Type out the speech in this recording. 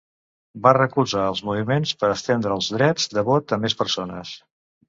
Va recolzar els moviments per estendre els drets de vot a més persones.